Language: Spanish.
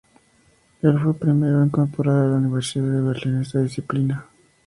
Él fue el primero en incorporar a la Universidad de Berlín esta disciplina.